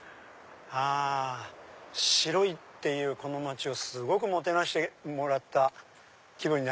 はぁ白井っていうこの街をすごくもてなしてもらった気分。